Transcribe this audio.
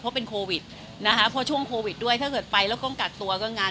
เพราะเป็นโควิดนะคะเพราะช่วงโควิดด้วยถ้าเกิดไปแล้วต้องกักตัวก็งาน